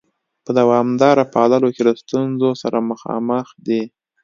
په دوامداره پاللو کې له ستونزو سره مخامخ دي؟